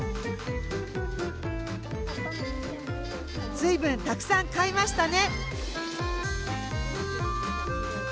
随分たくさん買いましたね。